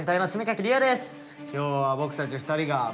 今日は僕たち２人が。